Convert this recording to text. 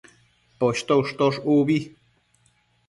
Poshto ushtosh ubi